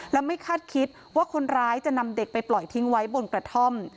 และไม่คาดคิดว่าคนร้ายจะนำเด็กไปปล่อยทิ้งไว้บนกระท่อม